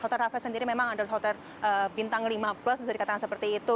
hotel raff sendiri memang adalah hotel bintang lima plus bisa dikatakan seperti itu